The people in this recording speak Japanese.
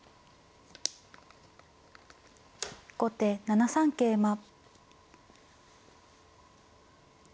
後手７三桂馬。